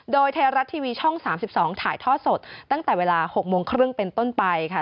โดยไทยรัฐทีวีช่อง๓๒ถ่ายทอดสดตั้งแต่เวลา๖โมงครึ่งเป็นต้นไปค่ะ